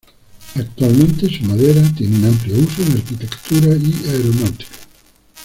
Actualmente su madera tiene un amplio uso en arquitectura y aeronáutica.